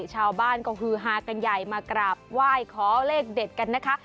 ชาวบ้านก็ฮือฮากันใหญ่มากราบไหว้ขอเลขเด็ดกันนะคะ